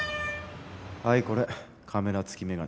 はいこれカメラ付きメガネ。